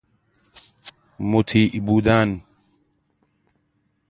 مطیع بودن